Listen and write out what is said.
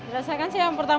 ya sedikit sedikit paham